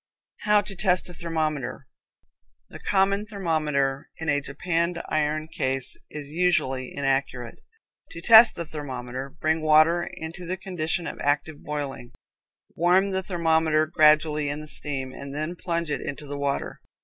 How to Test a Thermometer. The common thermometer in a japanned iron case is usually inaccurate. To test the thermometer, bring water into the condition of active boiling, warm the thermometer gradually in the steam and then plunge it into the water.